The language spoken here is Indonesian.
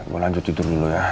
mau lanjut tidur dulu ya